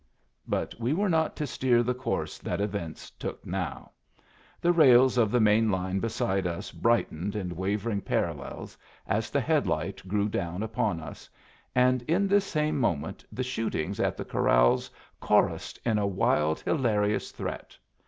But we were not to steer the course that events took now. The rails of the main line beside us brightened in wavering parallels as the headlight grew down upon us, and in this same moment the shootings at the corrals chorused in a wild, hilarious threat.